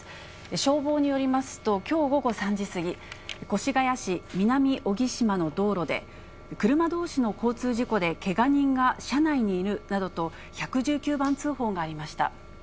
消防によりますときょう午後３時過ぎ、越谷市みなみおぎしまの道路で、車どうしの交通事故でけが人が車内にいるなどと、１１９番通報がありました。